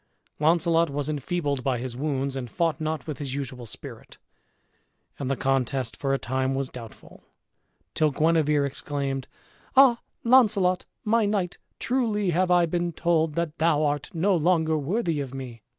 Launcelot was enfeebled by his wounds, and fought not with his usual spirit, and the contest for a time was doubtful; till Guenever exclaimed, "Ah, Launcelot! my knight, truly have I been told that thou art no longer worthy of me!"